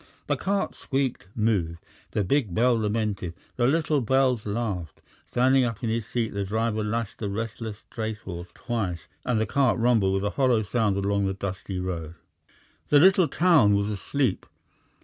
The cart squeaked, moved. The big bell lamented, the little bells laughed. Standing up in his seat the driver lashed the restless tracehorse twice, and the cart rumbled with a hollow sound along the dusty road. The little town was asleep.